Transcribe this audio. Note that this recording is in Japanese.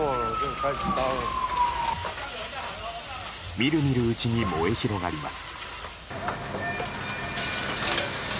みるみるうちに燃え広がります。